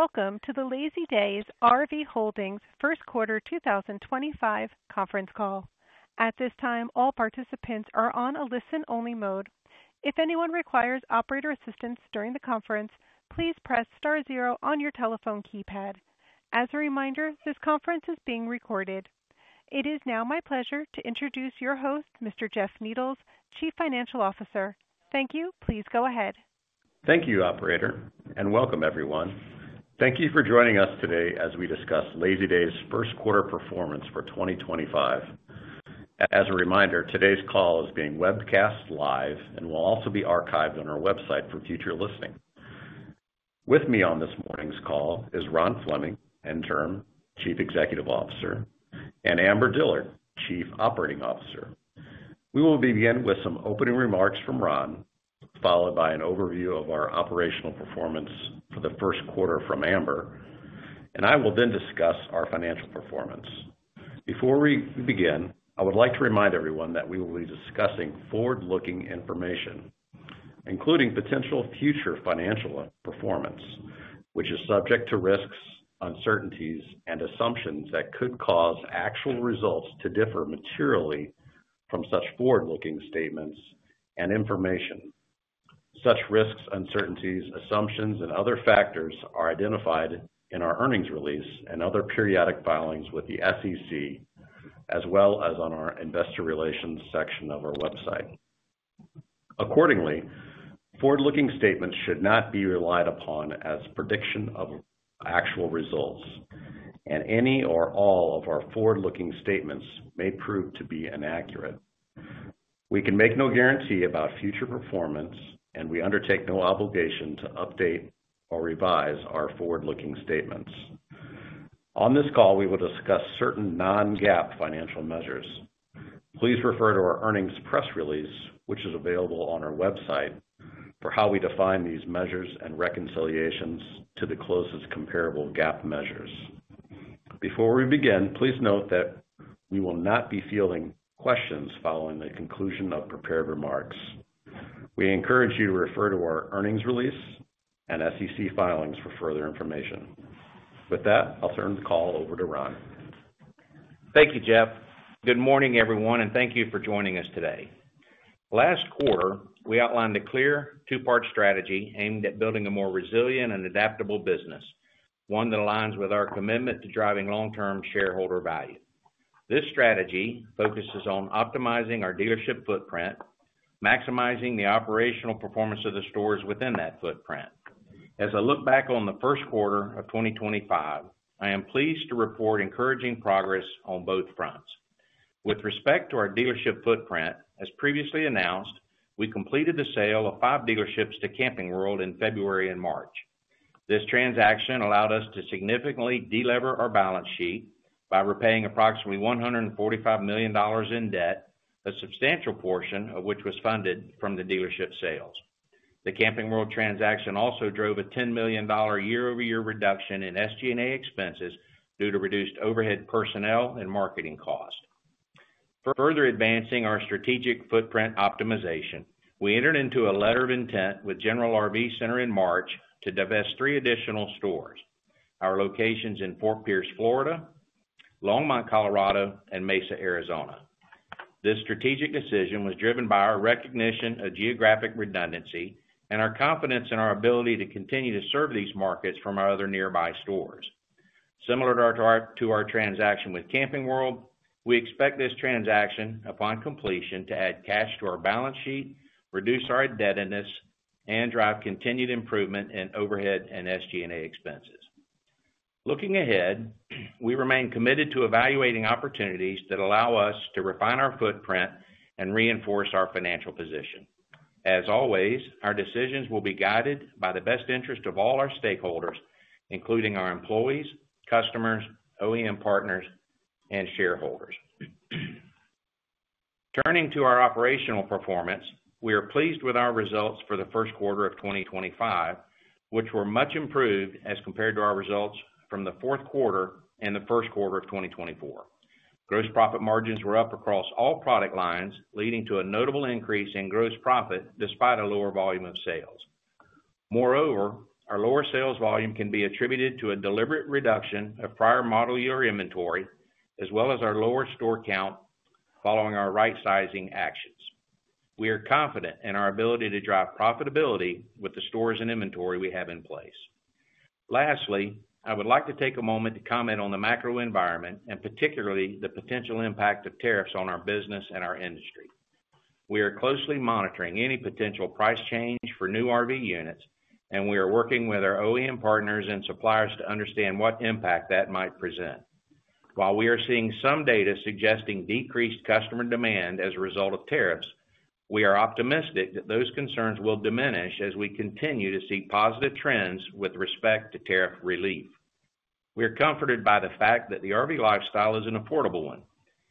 Welcome to the Lazydays RV Holdings first quarter 2025 conference call. At this time, all participants are on a listen-only mode. If anyone requires operator assistance during the conference, please press star zero on your telephone keypad. As a reminder, this conference is being recorded. It is now my pleasure to introduce your host, Mr. Jeff Needles, Chief Financial Officer. Thank you. Please go ahead. Thank you, operator, and welcome, everyone. Thank you for joining us today as we discuss Lazydays' first quarter performance for 2025. As a reminder, today's call is being webcast live and will also be archived on our website for future listening. With me on this morning's call is Ron Fleming, Interim Chief Executive Officer, and Amber Dillard, Chief Operating Officer. We will begin with some opening remarks from Ron, followed by an overview of our operational performance for the first quarter from Amber, and I will then discuss our financial performance. Before we begin, I would like to remind everyone that we will be discussing forward-looking information, including potential future financial performance, which is subject to risks, uncertainties, and assumptions that could cause actual results to differ materially from such forward-looking statements and information. Such risks, uncertainties, assumptions, and other factors are identified in our earnings release and other periodic filings with the SEC, as well as on our investor relations section of our website. Accordingly, forward-looking statements should not be relied upon as prediction of actual results, and any or all of our forward-looking statements may prove to be inaccurate. We can make no guarantee about future performance, and we undertake no obligation to update or revise our forward-looking statements. On this call, we will discuss certain non-GAAP financial measures. Please refer to our earnings press release, which is available on our website, for how we define these measures and reconciliations to the closest comparable GAAP measures. Before we begin, please note that you will not be fielding questions following the conclusion of prepared remarks. We encourage you to refer to our earnings release and SEC filings for further information. With that, I'll turn the call over to Ron. Thank you, Jeff. Good morning, everyone, and thank you for joining us today. Last quarter, we outlined a clear two-part strategy aimed at building a more resilient and adaptable business, one that aligns with our commitment to driving long-term shareholder value. This strategy focuses on optimizing our dealership footprint, maximizing the operational performance of the stores within that footprint. As I look back on the first quarter of 2025, I am pleased to report encouraging progress on both fronts. With respect to our dealership footprint, as previously announced, we completed the sale of five dealerships to Camping World in February and March. This transaction allowed us to significantly delever our balance sheet by repaying approximately $145 million in debt, a substantial portion of which was funded from the dealership sales. The Camping World transaction also drove a $10 million year-over-year reduction in SG&A expenses due to reduced overhead personnel and marketing costs. Further advancing our strategic footprint optimization, we entered into a letter of intent with General RV Center in March to divest three additional stores: our locations in Fort Pierce, Florida; Longmont, Colorado; and Mesa, Arizona. This strategic decision was driven by our recognition of geographic redundancy and our confidence in our ability to continue to serve these markets from our other nearby stores. Similar to our transaction with Camping World, we expect this transaction, upon completion, to add cash to our balance sheet, reduce our indebtedness, and drive continued improvement in overhead and SG&A expenses. Looking ahead, we remain committed to evaluating opportunities that allow us to refine our footprint and reinforce our financial position. As always, our decisions will be guided by the best interest of all our stakeholders, including our employees, customers, OEM partners, and shareholders. Turning to our operational performance, we are pleased with our results for the first quarter of 2025, which were much improved as compared to our results from the fourth quarter and the first quarter of 2024. Gross profit margins were up across all product lines, leading to a notable increase in gross profit despite a lower volume of sales. Moreover, our lower sales volume can be attributed to a deliberate reduction of prior model year inventory, as well as our lower store count following our right-sizing actions. We are confident in our ability to drive profitability with the stores and inventory we have in place. Lastly, I would like to take a moment to comment on the macro environment and particularly the potential impact of tariffs on our business and our industry. We are closely monitoring any potential price change for new RV units, and we are working with our OEM partners and suppliers to understand what impact that might present. While we are seeing some data suggesting decreased customer demand as a result of tariffs, we are optimistic that those concerns will diminish as we continue to see positive trends with respect to tariff relief. We are comforted by the fact that the RV lifestyle is an affordable one,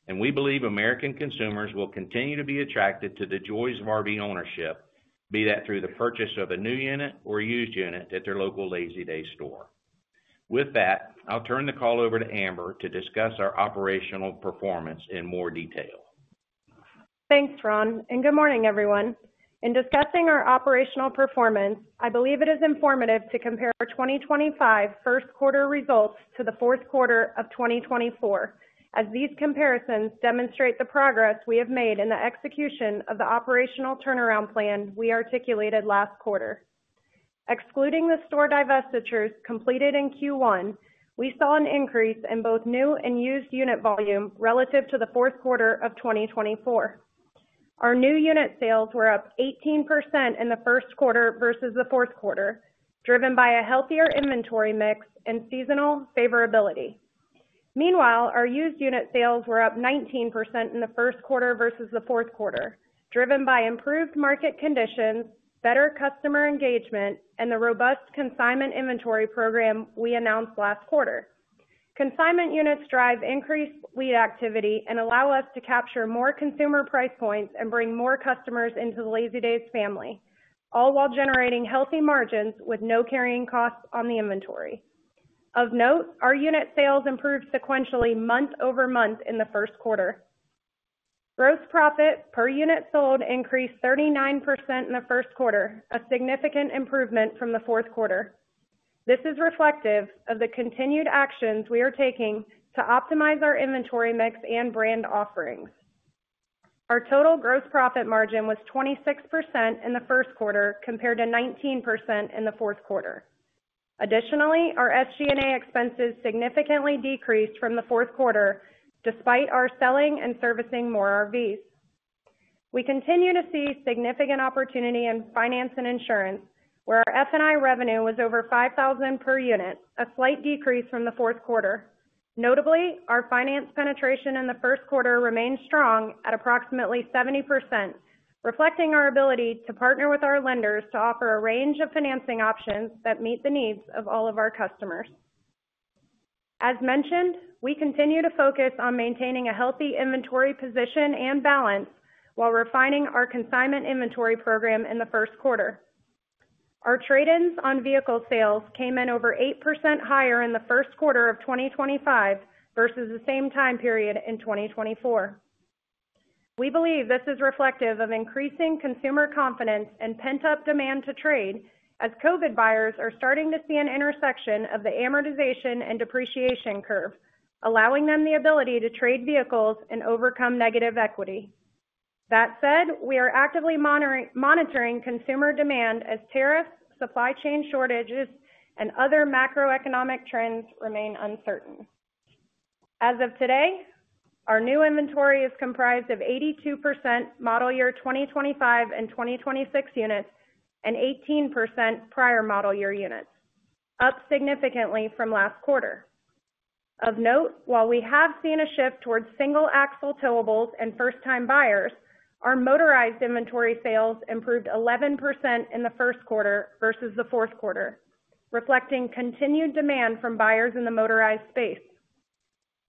and we believe American consumers will continue to be attracted to the joys of RV ownership, be that through the purchase of a new unit or used unit at their local Lazydays store. With that, I'll turn the call over to Amber to discuss our operational performance in more detail. Thanks, Ron, and good morning, everyone. In discussing our operational performance, I believe it is informative to compare 2025 first quarter results to the fourth quarter of 2024, as these comparisons demonstrate the progress we have made in the execution of the operational turnaround plan we articulated last quarter. Excluding the store divestitures completed in Q1, we saw an increase in both new and used unit volume relative to the fourth quarter of 2024. Our new unit sales were up 18% in the first quarter versus the fourth quarter, driven by a healthier inventory mix and seasonal favorability. Meanwhile, our used unit sales were up 19% in the first quarter versus the fourth quarter, driven by improved market conditions, better customer engagement, and the robust consignment inventory program we announced last quarter. Consignment units drive increased lead activity and allow us to capture more consumer price points and bring more customers into the Lazydays family, all while generating healthy margins with no carrying costs on the inventory. Of note, our unit sales improved sequentially month-over-month in the first quarter. Gross profit per unit sold increased 39% in the first quarter, a significant improvement from the fourth quarter. This is reflective of the continued actions we are taking to optimize our inventory mix and brand offerings. Our total gross profit margin was 26% in the first quarter compared to 19% in the fourth quarter. Additionally, our SG&A expenses significantly decreased from the fourth quarter despite our selling and servicing more RVs. We continue to see significant opportunity in finance and insurance, where our F&I revenue was over $5,000 per unit, a slight decrease from the fourth quarter. Notably, our finance penetration in the first quarter remained strong at approximately 70%, reflecting our ability to partner with our lenders to offer a range of financing options that meet the needs of all of our customers. As mentioned, we continue to focus on maintaining a healthy inventory position and balance while refining our consignment inventory program in the first quarter. Our trade-ins on vehicle sales came in over 8% higher in the first quarter of 2025 versus the same time period in 2024. We believe this is reflective of increasing consumer confidence and pent-up demand to trade, as COVID buyers are starting to see an intersection of the amortization and depreciation curve, allowing them the ability to trade vehicles and overcome negative equity. That said, we are actively monitoring consumer demand as tariffs, supply chain shortages, and other macroeconomic trends remain uncertain. As of today, our new inventory is comprised of 82% model year 2025 and 2026 units and 18% prior model year units, up significantly from last quarter. Of note, while we have seen a shift towards single-axle towables and first-time buyers, our motorized inventory sales improved 11% in the first quarter versus the fourth quarter, reflecting continued demand from buyers in the motorized space.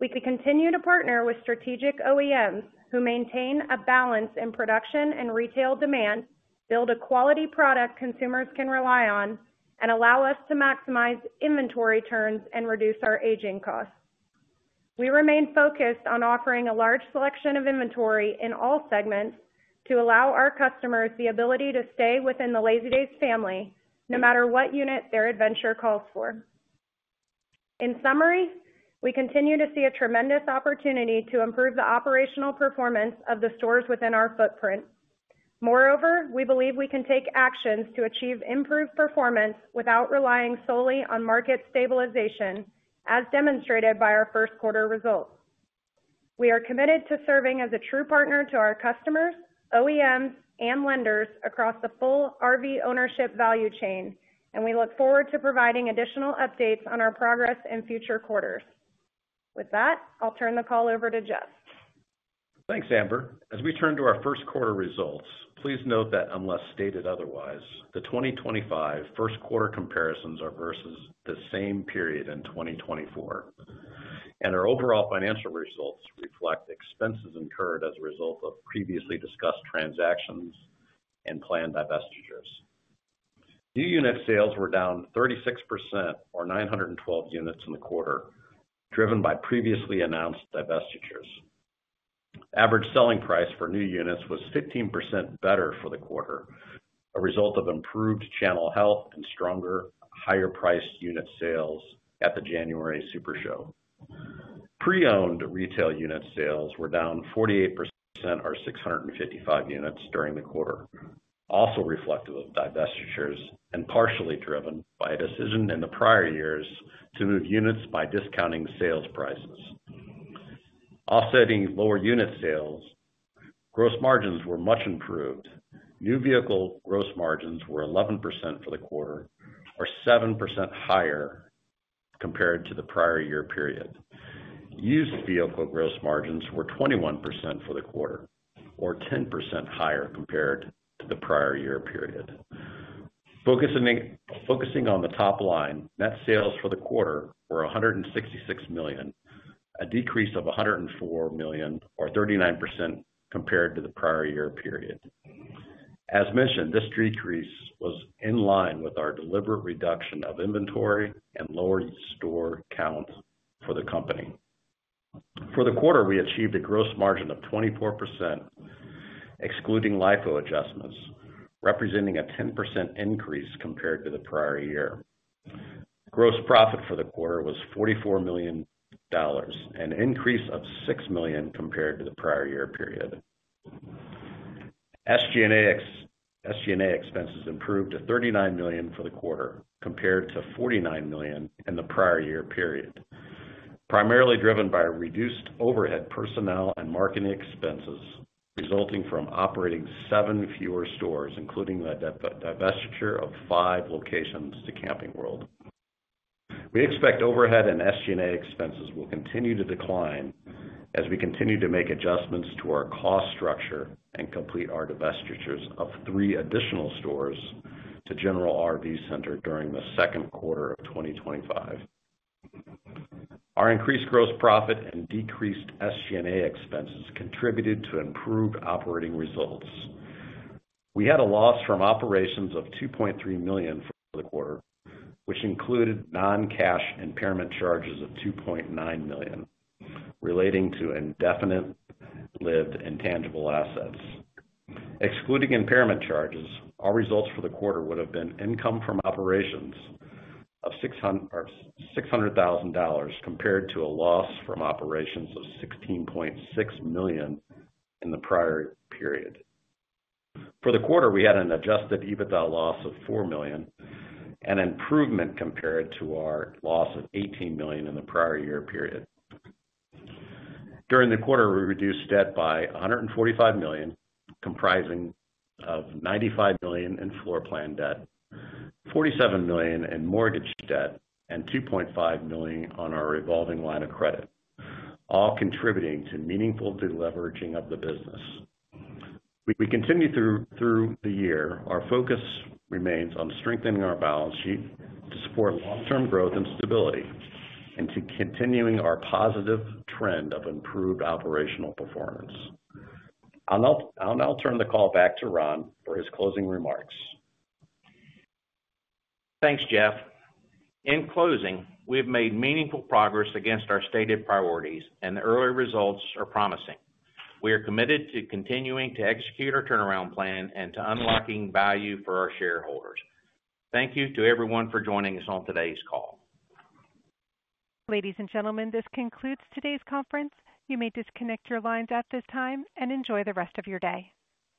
We can continue to partner with strategic OEMs who maintain a balance in production and retail demand, build a quality product consumers can rely on, and allow us to maximize inventory turns and reduce our aging costs. We remain focused on offering a large selection of inventory in all segments to allow our customers the ability to stay within the Lazydays family no matter what unit their adventure calls for. In summary, we continue to see a tremendous opportunity to improve the operational performance of the stores within our footprint. Moreover, we believe we can take actions to achieve improved performance without relying solely on market stabilization, as demonstrated by our first quarter results. We are committed to serving as a true partner to our customers, OEMs, and lenders across the full RV ownership value chain, and we look forward to providing additional updates on our progress in future quarters. With that, I'll turn the call over to Jeff. Thanks, Amber. As we turn to our first quarter results, please note that unless stated otherwise, the 2025 first quarter comparisons are versus the same period in 2024, and our overall financial results reflect expenses incurred as a result of previously discussed transactions and planned divestitures. New unit sales were down 36%, or 912 units in the quarter, driven by previously announced divestitures. Average selling price for new units was 15% better for the quarter, a result of improved channel health and stronger, higher-priced unit sales at the January Super Show. Pre-owned retail unit sales were down 48%, or 655 units during the quarter, also reflective of divestitures and partially driven by a decision in the prior years to move units by discounting sales prices. Offsetting lower unit sales, gross margins were much improved. New vehicle gross margins were 11% for the quarter, or 7% higher compared to the prior year period. Used vehicle gross margins were 21% for the quarter, or 10% higher compared to the prior year period. Focusing on the top line, net sales for the quarter were $166 million, a decrease of $104 million, or 39% compared to the prior year period. As mentioned, this decrease was in line with our deliberate reduction of inventory and lower store count for the company. For the quarter, we achieved a gross margin of 24%, excluding LIFO adjustments, representing a 10% increase compared to the prior year. Gross profit for the quarter was $44 million, an increase of $6 million compared to the prior year period. SG&A expenses improved to $39 million for the quarter compared to $49 million in the prior year period, primarily driven by reduced overhead personnel and marketing expenses resulting from operating seven fewer stores, including a divestiture of five locations to Camping World. We expect overhead and SG&A expenses will continue to decline as we continue to make adjustments to our cost structure and complete our divestitures of three additional stores to General RV Center during the second quarter of 2025. Our increased gross profit and decreased SG&A expenses contributed to improved operating results. We had a loss from operations of $2.3 million for the quarter, which included non-cash impairment charges of $2.9 million relating to indefinite lived and tangible assets. Excluding impairment charges, our results for the quarter would have been income from operations of $600,000 compared to a loss from operations of $16.6 million in the prior period. For the quarter, we had an adjusted EBITDA loss of $4 million and an improvement compared to our loss of $18 million in the prior year period. During the quarter, we reduced debt by $145 million, comprising of $95 million in floor plan debt, $47 million in mortgage debt, and $2.5 million on our revolving line of credit, all contributing to meaningful deleveraging of the business. We continue through the year. Our focus remains on strengthening our balance sheet to support long-term growth and stability and to continuing our positive trend of improved operational performance. I'll now turn the call back to Ron for his closing remarks. Thanks, Jeff. In closing, we have made meaningful progress against our stated priorities, and the early results are promising. We are committed to continuing to execute our turnaround plan and to unlocking value for our shareholders. Thank you to everyone for joining us on today's call. Ladies and gentlemen, this concludes today's conference. You may disconnect your lines at this time and enjoy the rest of your day.